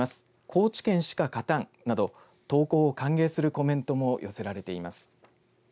高知県しか勝たんなど投稿を歓迎するコメントも寄せられています。